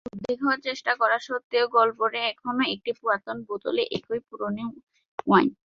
উদ্বেগ হওয়ার চেষ্টা করা সত্ত্বেও, গল্পটি এখনও একটি পুরাতন বোতলে একই পুরানো ওয়াইন।